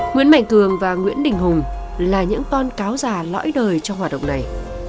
nguyễn mạnh cường và nguyễn đình hùng là những con cáo già lõi đời trong hoạt động này